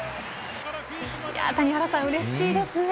谷原さん、うれしいですね。